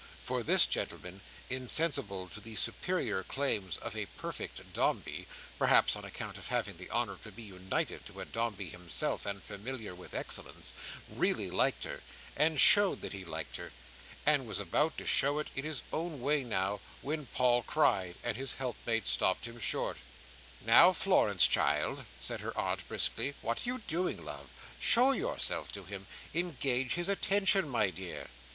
For this gentleman, insensible to the superior claims of a perfect Dombey (perhaps on account of having the honour to be united to a Dombey himself, and being familiar with excellence), really liked her, and showed that he liked her, and was about to show it in his own way now, when Paul cried, and his helpmate stopped him short— "Now Florence, child!" said her aunt, briskly, "what are you doing, love? Show yourself to him. Engage his attention, my dear!"